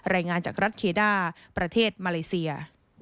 รายงานจากรัฐเคด้าประเทศมาเลเซีย